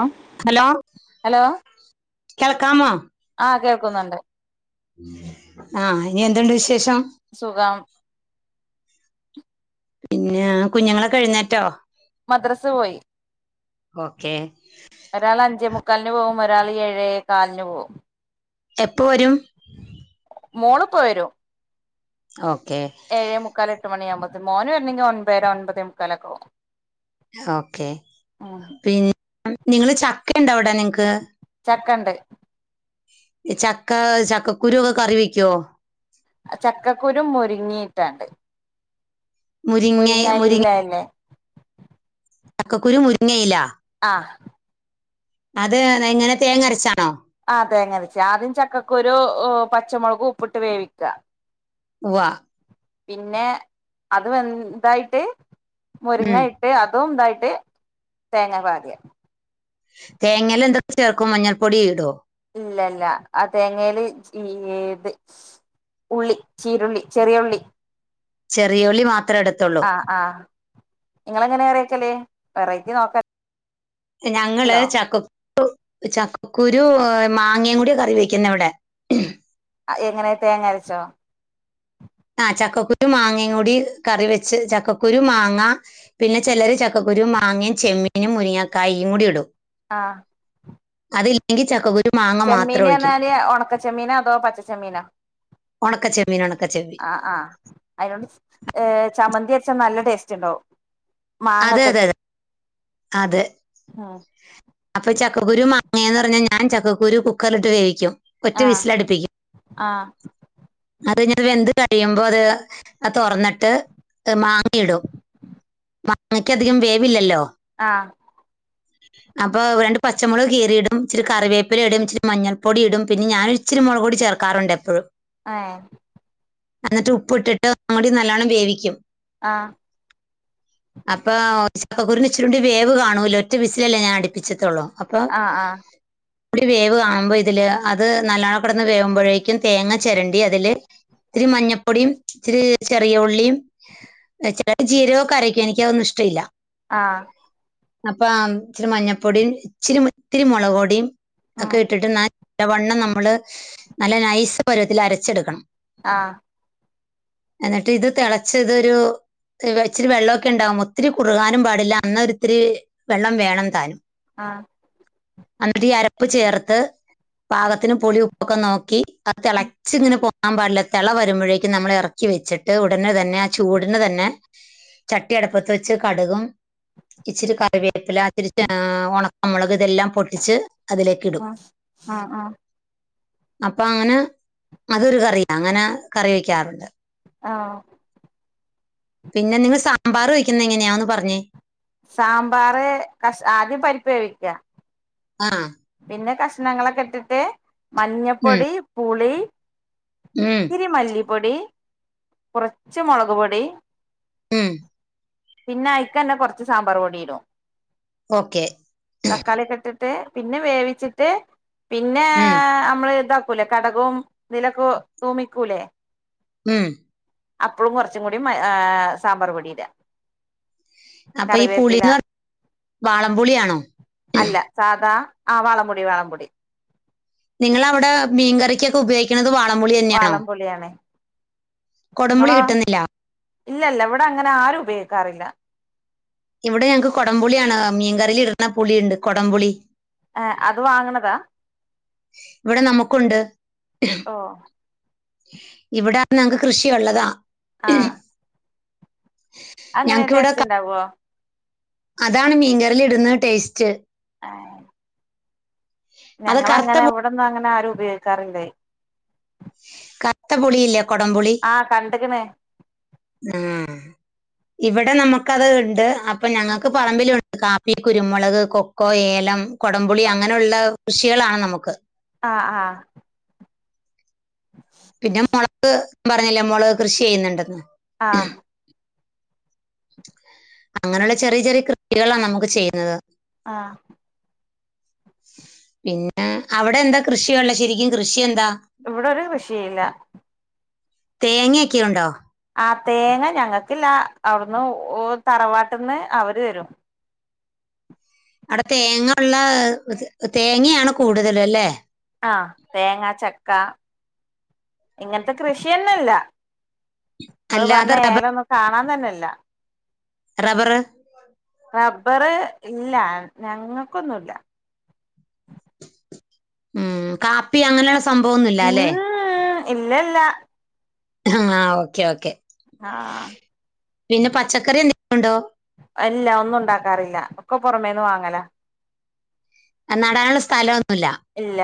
ആ hello hello കേൾക്കാമോ ആ കേൾക്കുന്നുണ്ട് ആഹ് ഇനി എന്തുണ്ട് വിശേഷം സുഖം പിന്നെ കുഞ്ഞുങ്ങളൊക്കെ എഴുന്നേറ്റോ മദ്രസ പോയി ഓക്കെ ഒരാള് അഞ്ചേ മുക്കാലിന് പോവും ഒരാള് ഏഴേ കാലിന് പോവും എപ്പ വരും മോള് ഇപ്പ വരും ഓക്കെ ഏഴേ മുക്കാല് എട്ട് മണിയാകുമ്പത്തേന് മോന് വരണേങ്കി ഒൻപതര ഒൻപതേ മുക്കാലൊക്കെ ആവും ഓക്കെ ഉം പിന്നെ നിങ്ങള് ചക്ക ഉണ്ടോ അവിടെ നിങ്ങക്ക് ചക്കണ്ട് ഈ ചക്ക ചക്ക കുരുവൊക്കെ കറി വെക്കുവോ? ആഹ് ചക്കക്കുരു മുരിങ്ങിയിട്ടാണ്ട് മുരിങ്ങയെ മുരിങ്ങ അല്ലെ ചക്കക്കുരു മുരുങ്ങയിലാ ആഹ് അത് എങ്ങനെ തേങ്ങ അരച്ചാണോ? ആഹ് തേങ്ങ അരച്ച് ആദ്യം ചക്കക്കുരു ഏഹ് പച്ചമുളക് ഉപ്പിട്ട് വേവിക്കാ ഉവ്വാ പിന്നെ അത് വെന്തായിട്ട് മുരിങ്ങ ഉം ഇട് ട്ട് അതും ഇതായിട്ട് തേങ്ങ പാരാ തേങ്ങേല് എന്തൊക്കെ ചേർക്കും മഞ്ഞപ്പൊടി ഇടോ? ഇല്ലല്ലാ ആഹ് തേങ്ങേല് ഈ ഇത് ഉള്ളി ചീരുള്ളി ചെറിയ ഉള്ളി ചെറിയുളളി മാത്രേ ഇടത്തുള്ളൂ ആഹ് ആഹ് ഇങ്ങള് എങ്ങനെയാ കറിവെക്കല് വെറൈറ്റി നോക്കാ ഞങ്ങള് ചക്കക്കുരു ചക്കക്കുരു മാങ്ങയും കൂടിയാ കറി വെക്കുന്നേ ഇവിടെ ആഹ് എങ്ങനെ തേങ്ങ അരച്ചോ? ആഹ് ചക്കക്കുരു മാങ്ങയും കൂടി കറി വെച്ച് ചക്കക്കുരു മാങ്ങ പിന്നെ ചെലര് ചക്കക്കുരും മാങ്ങയും ചെമ്മീനും മുരിങ്ങക്കായും കൂടി ഇടും ആഹ് അതിൽ എങ്കി ചക്കക്കുരു മാങ്ങ മാത്രം ചെമ്മീന് ഒഴിക്കും പറഞ്ഞാല് ഒണക്കച്ചെമ്മീനോ അതോ പച്ചച്ചെമ്മീനോ? ഒണക്കച്ചെമ്മീൻ ഒണക്കച്ചെമ്മീൻ അയിനോണ്ട് ഏഹ് ചമ്മന്തി വെച്ചാ നല്ല ടേസ്റ്റ് ഇണ്ടാവും അതെ മാങ്ങക്കെ അതെ ഇട്ട് അതെ അതെ ആഹ് അപ്പൊ ഇന ചക്കക്കുരു മാങ്ങേന്ന് പറഞ്ഞാ ഞാൻ ചക്കക്കുരു കുക്കറില് ഇട്ട് വേവിക്കും ഒറ്റ ആഹ് വിസിലടിപ്പിക്കും ആഹ് അത് ഞാൻ വെന്ത് കഴിയുമ്പോ അത് ആഹ് തൊറന്നിട്ട് മാങ്ങയിടും മാങ്ങക്ക് അധികം വേവില്ലല്ലോ? ആഹ് അപ്പൊ രണ്ട് പച്ചമുളക് കീറിയിടും ഇച്ചിരി കറിവേപ്പില ഇടും ഇച്ചിരി മഞ്ഞൾപ്പൊടി ഇടും പിന്നെ ഞാനൊര്ച്ച് ഇച്ചിരി മൊളകുപൊടി ചേർക്കാറുണ്ട് എപ്പഴും ഏഹ് അന്നട്ട് ഉപ്പിട്ടിട്ട് ഒന്നും കൂടി നല്ലോണം വേവിക്കും ആഹ് അപ്പൊ ചക്കകുരുവിന് ഇച്ചിരൂടി വേവ് കാണൂലോ ഒറ്റ വിസിലല്ലേ ഞാൻ അടിപ്പിച്ച്റ്റുള്ളൂ അപ്പം ആഹ് ഒരു വേവ് കാണുമ്പ ഇതില് അത് നല്ലണം കെടന്ന് വേവുമ്പഴേക്കും തേങ്ങ ചെരണ്ടി അതില് ഇത്തിരി മഞ്ഞപ്പൊടിം ഇച്ചിരി ചെറിയ ഉള്ളിയും ചെറിയ ജീരകൊക്കെ അരയ്ക്കും എനിക്കതൊന്നും ഇഷ്ട്ടയില്ലാ ആഹ് അപ്പാം ഇച്ചിരി മഞ്ഞപ്പൊടിയും ഇച്ചിരി ഇത്തിരി മുളക് പൊടിം ഉം ഒക്കെ ഇട്ടിട്ട് നല്ലവണ്ണം നമ്മള് നല്ല നൈസ് പരുവത്തില് അരച്ചെടുക്കണം. ആഹ്. എന്ന്ട്ട് ഇത് തെളച്ച് ഇതൊരു [unintelligible] ഇച്ചിരി വെള്ളൊക്കെണ്ടാവും ഒത്തിരി കുറുകാനും പാടില്ലാ എന്നാ ഒരിത്തിരി വെള്ളം വേണംതാനും. ആഹ്. അന്നിട്ട് ഈ അരപ്പ് ചേർത്ത് പാകത്തിന് പുളി ഉപ്പൊക്കെ നോക്കി അത് തെളെ ഉം പൊങ്ങാൻ പാടില്ല. തെള വരുമ്പോഴേക്കും നമ്മൾ എറക്കി വെച്ചിട്ട് ഉടനെ തന്നെ ആ ചൂടിന് തന്നെ ചട്ടി അട്പ്പത്ത് വെച്ച് കട്കും ഇച്ചിരി കറിവേപ്പില ഇത്തിരി ഏഹ് ഒണക്കമുളക് ഇതെല്ലാം പൊട്ടിച്ച് അതിലേക്ക്ടും. ഉം ഉം ഉം അപ്പ അങ്ങനെ അതൊരു കറി, അങ്ങനെ കറി വെയ്ക്കാറുണ്ട്. ആഹ് പിന്നെ നിങ്ങള് സാമ്പാറ് വെയ്ക്കുന്നെങ്ങന്യാ, അതൊന്ന് പറഞ്ഞേ സാമ്പാറ് കഷ് ആദ്യം പരിപ്പ് വേവിക്കാ ആഹ് പിന്നെ കഷ്ണങ്ങളൊക്കെ ട്ട്ട്ട് മഞ്ഞപ്പൊടി, പുളി മ് ച് മല്ലിപ്പൊടി കുറച്ച് മൊളക് പൊടി ഉം പിന്നെ അയ്ക്കന്നെ കൊറച്ച് സാമ്പാർ പൊടിടും ഓക്കെ തക്കാളിക്കെ ഇട്ടിട്ട് പിന്നെ വേവിച്ചിട്ട് പിന്നെ ഉം അമ്മള് ഇത ക്കൂലെ കടകും നിലക്കു തൂമിക്കൂലേ ഉം അപ്പം കൊർച്ചും കൂടി മൈ ആ സാമ്പാർ പൊടിട അപ്പ ഈ പുളിന്ന് പർ വാളംപുളിയാണോ? അല്ല സാധാ ആഹ് വാളംമ്പുടി വാളംമ്പുടി നിങ്ങളവടാ മീൻകറിയ്ക്കൊക്കെ ഉപയോഗി ക്ക്ണത് വാളമ്പുളി തന്നെയാണോ? വാളംപൊളിയാണ് കൊടമ്പുളി നിങ്ങളോ കിട്ടുന്നില്ല ഇല്ലല്ല വടെ അങ്ങനെ ആരും ഉപയോഗിക്കാറില്ല. ഇവിടെ ഞങ്ങക്ക് കൊടംപുളിയാണ് മീൻകറിലിട്ണ പുളിയ്ണ്ട്, കൊടംപുളി. ഏഹ്, അത് വാങ്ങ്ണതാ വടെ നമുക്കുണ്ട്. ഓഹ്. ഇവിടാർത്താ ഞങ്ങക്ക് കൃഷി ഒള്ളതാ. ആഹ്. അതെങ്ങനെ ഞങ്ങൾക്ക് ഇവിടെ ക- ടേസ്റ്റ്ണ്ടാവോ? അതാണ് മീൻകറിലിട്ന്ന ടേസ്റ്റ്. ആഹ്. അത് കറുത്ത ഞങ്ങളങ്ങനെ പു- ഇവടൊന്നും അങ്ങനെ ആരും ഉപയോഗിക്കാറില്ലേ കർത്ത പുളിയില്ലേ കൊടംപുളി ആഹ് കണ്ട്ക്ക്ണ് ആഹ്, ഇവടെ നമുക്കത് ഇണ്ട്. അപ് അപ്പൊ ഞങ്ങക്ക് പറമ്പില്ണ്ട് കാപ്പി, കുരുമുളക്, കൊക്കോ, ഏലം, കൊടംപുളി അങ്ങനുള്ള കൃഷികളാണ് നമുക്ക്. ആഹ്, ആഹ് [unintelligible] പിന്നെ മൊളക് ഞാംപറഞ്ഞില്ലേ മൊളക് കൃഷി എയ്ന്നുണ്ടെന്ന് ആഹ് അങ്ങനെള്ള ചെറിയ ചെറിയ കൃ കളാണ് നമുക്ക് ചെയ്യുന്നത് ആഹ് പിന്നെ അവിടെ എന്താ കൃഷിയുള്ളെ ശെരിക്കും കൃഷിയെന്താ? ഇവിടൊരു കൃഷീയില്ല തേങ്ങ്യൊക്കെയു ണ്ടോ? ആഹ് തേങ്ങ ഞങ്ങക്കില്ല അവിടുന്ന് ഓ തറവാട്ട്ന്ന് അവര് രും ആടെ തേങ്ങള്ള തേങ്ങയാണ് കൂടുതലും അല്ലേ ആഹ് തേങ്ങ ചക്ക ഇങ്ങൻത്തെ കൃഷിയന്ന്ല്ല ഇങ്ങള് പർഞ്ഞ അല്ലാതെ റബ്ബർ ഏലൊന്നും കാണാംതന്നെല്ല റബ്റ് റബ്ബ്റ് ഇല്ല ഞങ്ങക്കൊന്നുംല്ല ഉം കാപ്പി അങ്ങനെള്ള സംഭവൊന്നുല്ലാല്ലെ [inaudible] ഇല്ലല്ല ആഹ് ഓക്കെ ഓക്കെ ആഹ് പിന്നെ പച്ചക്കറി എന്തെ ഒണ്ടോ? ല്ല ഒന്നും ഒണ്ടാക്കാറില്ല ഒക്കെ പൊറമേന്ന് വാങ്ങലാ അ നടാൻള്ള സ്ഥലൊന്നുല്ല ഇല്ല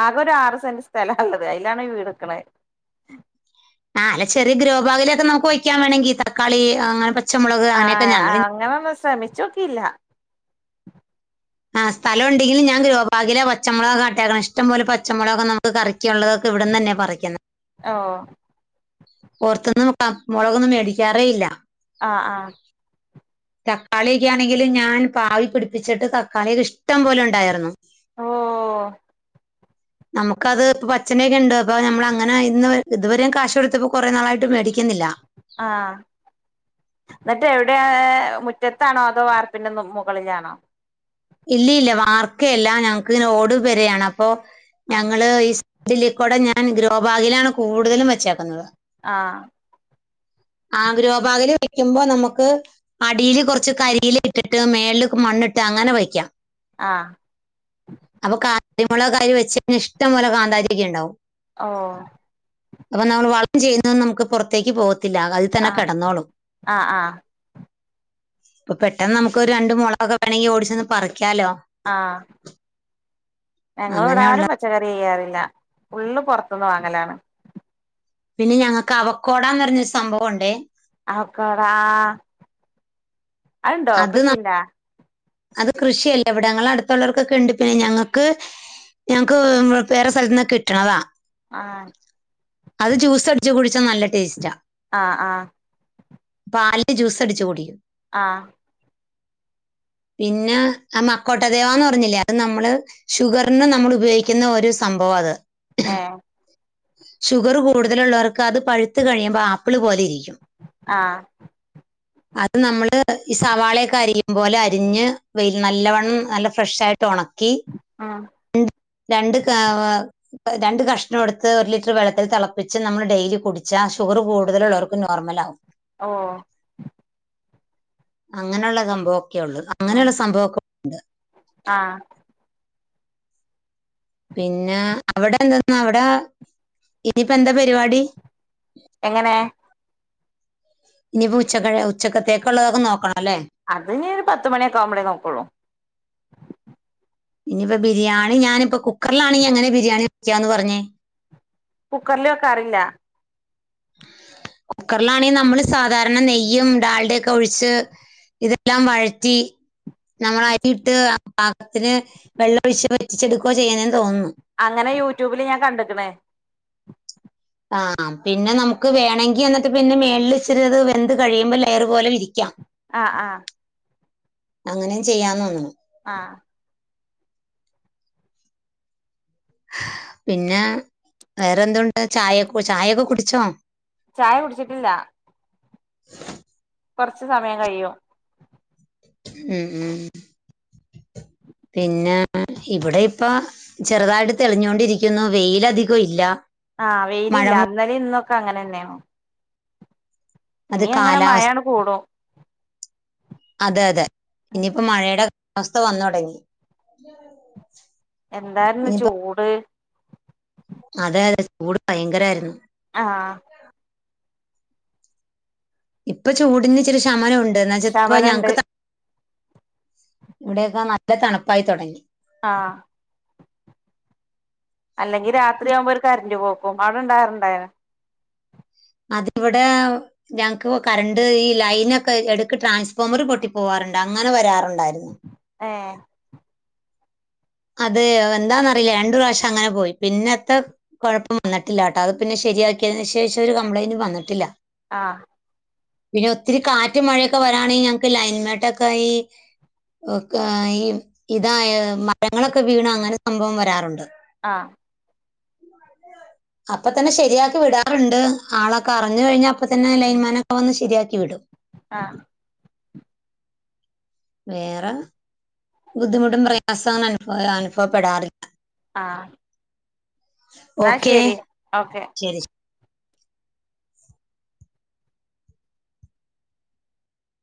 ആകൊരു ആറ് സെന്റ് സ്ഥലാള്ളത് അയ്‌ലാണി വീട് ക്ക്ണെ ആഹ് അല്ല ചെറിയ ഗ്രോഭാഗിലൊക്കെ നമുക്ക് വെയ്ക്കാം വേണെങ്കി തക്കാളി അങ്ങനെ പ ആഹ് ആഹ് അങ്ങനൊന്നും ശ്രമിച്ചോക്കിയില്ല ആഹ് സ്ഥലംണ്ടെങ്കില് ഞാൻ ഗ്രോഭാഗിലാ പച്ചമൊളകട്ടേക്ക്‌ണെ ഇഷ്ടം പോലെ പച്ചമൊളൊക് നമുക്ക് കറി ക്ക്‌യുള്ളതൊക്കെ ഇവിടെന്ന്ന്നെ പറിക്ക്ന്നെ ഓഹ് പൊർത്തുന്നും അ മുളകൊന്നും മേടിക്കാറേ ഇല്ല ആഹ് ആഹ് തക്കാളിയൊക്കെയാണെങ്കില് ഞാൻ പാവി പിടിപ്പിച്ചിട്ട് തക്കാളിയൊക്കെ ഇഷ്ടം പോലെഒണ്ടായിർന്നു ഓഹ് നമുക്കത് പ്പൊ പച്ചനെയ്രിണ്ട് അപ്പൊ നമ്മളങ്ങനെ ഇന്ന് ഇതുവരെയും കാശ് കൊടുത്തപ്പോ കൊറെ നാളായിട്ട് മേടിക്കുന്നില്ല ആഹ് ന്നിട്ട് എവിടയാ മുറ്റത്താണോ അതോ വാർപ്പിന്റെ മൊ മുകളിലാണോ? ഇല്ലീല്ല വർക്കേല്ല ഞങ്ങക്ക്‌ ഓടു പെരയാണ് അപ്പൊ ആ ഞങ്ങള് ഈസ് ഡില്ലിക്കൂടെ ഞാൻ ഗ്രോ ഭാഗിലാണ് കൂടുതലും വെച്ചേക്കുന്നത് ആഹ് ആഹ് ഗ്രോബാഗില് വെക്ക്യുമ്പോ നമ്മക്ക് അടീല് കൊറച്ച് കരീല ഇട്ടിട്ട് മേൾള് മണ്ണ്ട്ട് അങ്ങനെ വെയ്ക്കാം ആഹ് അപ്പൊ കാര്മൊളക് അയില് വെച്ച ഇഷ്ടംപോലെ കാന്താരിക്കെണ്ടാവും ഓഹ് അപ്പൊ നമ്മള് വൾക് ചെയ്യുന്നതൊന്നും നമുക്ക് പുറത്തേക്ക് പോവത്തില്ല അൽ അഹ് ആഹ് ആഹ് പ്പൊ പെട്ടെന്ന് നമുക്കൊരു രണ്ട് മൊളകൊക്കെ വേണങ്കി ഓടിച്ചെന്ന് പറിക്യാലോ ആഹ് ഞങ്ങള അങ്ങനെയുള്ള ഇവിടാരും പച്ചക്കറി ഇയ്യാറില്ല ഫുള്ളു പൊറത്ത്ന്ന് വാങ്ങലാണ് പിന്നെ ഞങ്ങക്ക് അവക്കോടാന്ന് പറഞ്ഞൊരു സംഭവം ണ്ടേ അവോക്കാഡോ അത്ണ്ടോ അത് ന- കൃഷിണ്ടാ അത് കൃഷിയല്ല ഇവിടെ ഞങ്ങളെ അടുത്തുള്ളോർക്കൊക്കെ ഉണ്ട് പിന്നെ ഞങ്ങൾക്ക് ഞങ്ങക്ക് വേറെ സ്ഥലത്തുന്നൊക്കെ കിട്ട്ണത്താ ആഹ അത് ജ്യൂസ് അടിച്ച് കുടിച്ചാ നല്ല ടേസ്റ്റാ ആഹ് ആഹ് പാല്ൽ ജ്യൂസ് അടിച്ചു കുടിക്കും ആഹ് പിന്നെ ആ മക്കോട്ടദേവാന്ന് പറഞ്ഞില്ലേ അത് നമ്മള് ഷുഗറിന് നമ്മൾ ഉപയോഗിക്കുന്ന ഒരു സംഭവാ അത് ഏഹ് ഷുഗർ കൂടുതലുള്ളോർക്ക് അത് പഴുത്ത് കഴിയുമ്പോ ആപ്പിള് പോലെ ഇരിക്കും ആഹ് അത് നമ്മള് ഈ സവാളയൊക്കെ അരിയും പോലെ അരിഞ്ഞ് വെയ് നല്ലവണ്ണം നല്ല ഫ്രഷ് ആയിട്ട് ഉണക്കി ഉം രണ്ട് രണ്ട് കാവ രണ്ട് കഷ്ണം എടുത്ത് ഒരു ലിറ്റർ വെള്ളത്തിൽ തിളപ്പിച്ച് നമ്മള് ഡെയിലി കുടിച്ചാൽ ഷുഗർ കൂടുതലുള്ളോർക്ക് നോർമൽ ആകും ഓഹ് അങ്ങനെയുള്ള സംഭവൊക്കെ ഉള്ളു അങ്ങനെയുള്ള സംഭവം ഒകെയുണ്ട് ആഹ് പിന്നെ അവിടെ എന്തോന്നാ അവിടെ ഇനിയിപ്പ എന്താ പരിപാടി എങ്ങനെ ഇനിയിപ്പോ ഉച്ചക്കഴ് ഉച്ചക്കത്തേക്ക് ഇള്ളതൊക്കെ നോക്കണംല്ലേ അത്‌ ഇനി ഒരു പത്ത് മണിയൊക്ക ആകുമ്പോഴേ നോക്കൊള്ളും ഇനിയിപ്പ ബിരിയാണി ഞാനിപ്പ കുക്കറിലാണെങ്കിൽ എങ്ങനെ ബിരിയാണി വെക്കാന്ന് പറഞ്ഞേ കുക്കറില് വെക്കാറില്ല കുക്കറിലാണെങ്കിൽ നമ്മള് സാധാരണ നെയ്യും ഡാൽടയും ഒക്കെ ഒഴിച്ച് ഇതെല്ലാം വഴറ്റി നമ്മള് അരിയിട്ട് പാകത്തിന് വെള്ളം ഒഴിച്ച് വറ്റിച്ചെടുക്കുവ ചെയ്യ്ന്നെന്ന് തോന്നുന്നു അങ്ങനെ യൂട്യൂബിൽ ഞാൻ കണ്ട്ക്ക്ണ് ആഹ് പിന്നെ നമുക്ക് വേണെങ്കിൽ എന്നിട്ട് പിന്നെ മേളിൽ ഇച്ചിരി അത് വെന്ത് കഴിയുമ്പോ ലെയർ പോലെ വിരിക്കാം ആഹ ആഹ അങ്ങനെയും ചെയ്യാന്ന് തോന്ന്ന്ന് ആഹ പിന്നെ വേറെന്തുണ്ട് ചായ ചായൊക്കെ കുടിച്ചോ ചായ കുടിച്ചിട്ടില്ല കൊറച്ച് സമയം കഴിയും ഉം ഉം [unintelligible] പിന്നെ ഇവിടെ ഇപ്പം ചെറുതായിട്ട് തെളിഞ്ഞുകൊണ്ടിരിക്കുന്നു വെയിലധികം ഇല്ല ആഹ് മഴ വെയിലില്ല മൂ- ഇന്നലിം ഇന്നൊക്കെ അങ്ങനെന്നെണ് അത് കാലാവസ് മഴാണ് കൂടും അതെ അതെ ഇനിയിപ്പോ മഴയുടെ അവസ്ഥ വന്ന് തൊടങ്ങി എന്തായിരുന്നു ചൂട് അതെ അതെ ചൂട് ഭയങ്കരമായിരുന്നു ആഹ് ഇപ്പൊ ചൂടിന് ഇച്ചിരി ശമനം ഉണ്ട് എന്ന വെച്ചാ ഇപ്പ ശമനണ്ട് ഞങ്ങക്ക് ഇവിടെയൊക്കെ നല്ല തണുപ്പായി തുടങ്ങി ആഹ് അല്ലെങ്കി രാത്രിയാവുമ്പോൾ ഒരു കറണ്ട് പോക്കും അവിടെ ഉണ്ടായറുണ്ടായരുന്ന അതിവിടെ ഞങ്ങക്ക് കറണ്ട് ഈ ലൈൻ ഒക്കെ എടക്ക് ട്രാൻസ്ഫോമർ പൊട്ടി പോവാറുണ്ട് അങ്ങനെ വരാറുണ്ടായിരുന്നു ഏ അത് എന്താന്നറിയില്ല രണ്ട് പ്രാവശ്യം അങ്ങനെ പോയി പിന്നത്തെ കുഴപ്പം വന്നിട്ടില്ല കേട്ടോ അത് പിന്നെ ശരിയാക്കിയതിന് ശേഷം ഒരു കംപ്ലയിന്റ് വന്നിട്ടില്ല ആഹ് പിന്നെ ഒത്തിരി കാറ്റ് മഴയൊക്കെ വരാണെങ്കിൽ ഞങ്ങക്ക് ലൈൻ കട്ടൊക്കെ ആയി ഒക്കെ ആയി ഇതായ മരങ്ങളൊക്കെ വീണ അങ്ങനെ സംഭവം വരാറുണ്ട് ആഹ് അപ്പ തന്നെ ശരിയാക്കി വിടാറുണ്ട് ആളൊക്കെ അറിഞ്ഞു കഴിഞ്ഞാ അപ്പ തന്നെ ലൈൻമാനൊക്കെ വന്ന് ശരിയാക്കി വിടും ആഹ് വേറെ ബുദ്ധിമുട്ടും പ്രയാസും അനുഭവ അനുഭവപ്പെടാറില്ല ആഹ് എന്നാ ഓക്കെ ശരി ഓക്കെ ശരി